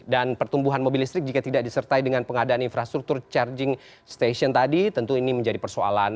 dan pertumbuhan mobil listrik jika tidak disertai dengan pengadaan infrastruktur charging station tadi tentu ini menjadi persoalan